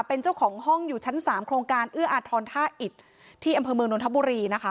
เป็นเจ้าของห้องอยู่ชั้นสามโครงการเอื้ออาทรท่าอิดที่อำเภอเมืองนทบุรีนะคะ